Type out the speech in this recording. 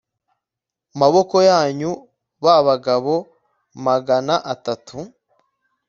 maboko yanyu Ba bagabo magana atatu